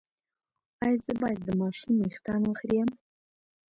ایا زه باید د ماشوم ویښتان وخرییم؟